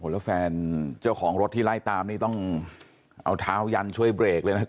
แล้วแฟนเจ้าของรถที่ไล่ตามนี่ต้องเอาเท้ายันช่วยเบรกเลยนะครับ